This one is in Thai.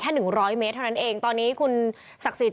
หนึ่งร้อยเมตรเท่านั้นเองตอนนี้คุณศักดิ์สิทธิ